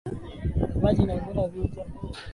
Huruma na mapenzi yao yanawafanya wawe karibu na Mungu wao